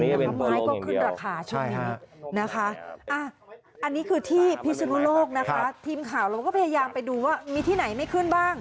นี่จะเป็นโปรโลงอย่างเดียวใช่ค่ะอันนี้คือที่พิชนุโลกนะคะทีมข่าวเราก็พยายามไปดูว่ามีที่ไหนไม่ขึ้นบ้าง